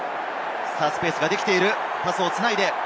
スペースができている。